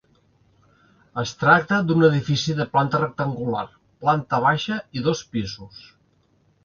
Es tracta d'un edifici de planta rectangular, planta baixa i dos pisos.